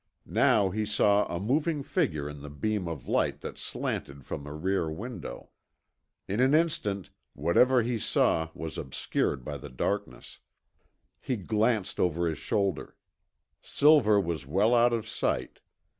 Now he saw a moving figure in the beam of light that slanted from a rear window. In an instant, whatever he saw was obscured by the darkness. He glanced over his shoulder. Silver was well out of sight.